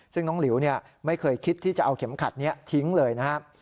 ซึ่งน้องหลิวไม่เคยคิดที่จะเอาเข็มขัดนี้ทิ้งเลยนะครับ